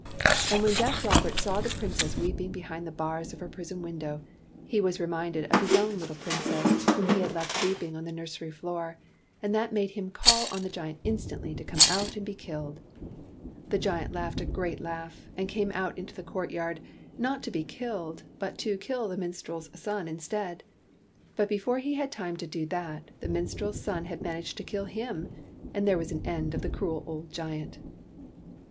And when deaf Robert saw the Princess weeping behind the bars of her prison window, he was reminded of his own little Princess whom he had left weeping on the nursery floor; and that made him call on the giant instantly to come out and be killed. The giant laughed a great laugh and came out into the courtyard, not to be killed, but to kill the minstrel's son instead ; but be fore he had time to do that, the minstrel's son had managed to kill him, and there was an end of the cruel old giant.